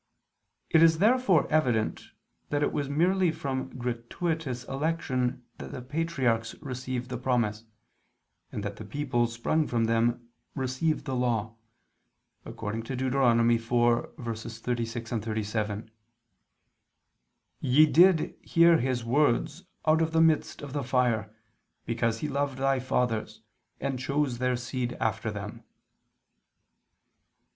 It is therefore evident that it was merely from gratuitous election that the patriarchs received the promise, and that the people sprung from them received the law; according to Deut. 4:36, 37: "Ye did [Vulg.: 'Thou didst'] hear His words out of the midst of the fire, because He loved thy fathers, and chose their seed after them."